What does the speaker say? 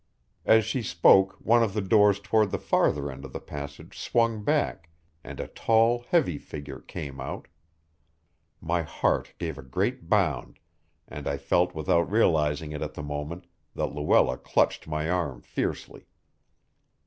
As she spoke, one of the doors toward the farther end of the passage swung back, and a tall heavy figure came out. My heart gave a great bound, and I felt without realizing it at the moment, that Luella clutched my arm fiercely.